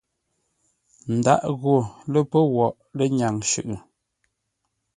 Ndaʼ gho lə́ pə́ woghʼ lənyâŋ shʉʼʉ.